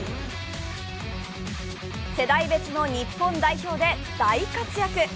世代別の日本代表で大活躍。